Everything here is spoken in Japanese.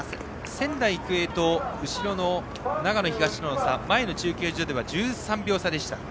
仙台育英と後ろの長野東との差は前の中継所では１３秒差でした。